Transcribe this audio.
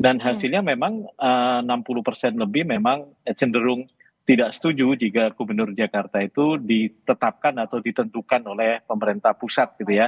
dan hasilnya memang enam puluh lebih memang cenderung tidak setuju jika gubernur jakarta itu ditetapkan atau ditentukan oleh pemerintah pusat